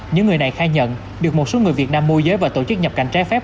những người này khai nhận được một số người việt nam môi giới và tổ chức nhập cảnh trái phép